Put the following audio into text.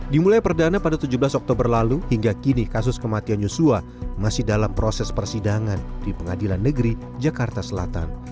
dimulai perdana pada tujuh belas oktober lalu hingga kini kasus kematian joshua masih dalam proses persidangan di pengadilan negeri jakarta selatan